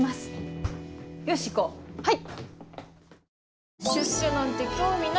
はい！